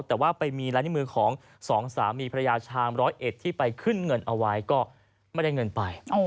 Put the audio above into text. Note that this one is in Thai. แต่ว่าไปมีลายนิ้วมือของสองสามีภรรยาชาวร้อยเอ็ดที่ไปขึ้นเงินเอาไว้ก็ไม่ได้เงินไป